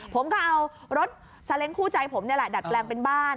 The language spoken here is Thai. ผมก็เอารถซาเล้งคู่ใจผมนี่แหละดัดแปลงเป็นบ้าน